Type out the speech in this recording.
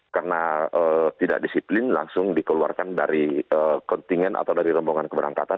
karena tidak disiplin langsung dikeluarkan dari kontingen atau dari rombongan keberangkatan